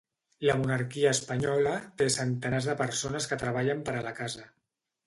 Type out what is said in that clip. La monarquia espanyola té centenars de persones que treballen per a la casa.